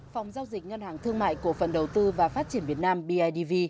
phòng giao dịch ngân hàng thương mại cổ phần đầu tư và phát triển việt nam bidv